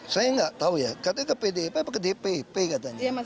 saya nggak tahu ya katanya ke pdip ke dpp katanya